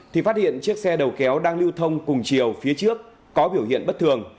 thì phát hiện chiếc xe đầu kéo đang lưu thông cùng chiều phía trước có biểu hiện bất thường